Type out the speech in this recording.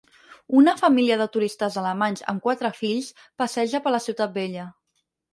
Una família de turistes alemanys amb quatre fills passeja per la Ciutat Vella.